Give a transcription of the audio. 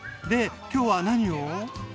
で今日は何を？